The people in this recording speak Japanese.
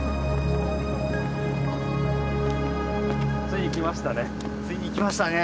ついにきましたね。